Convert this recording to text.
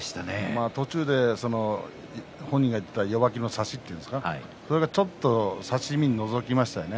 途中で本人が言っていた弱気な差しというんですか差し身がのぞきましたね。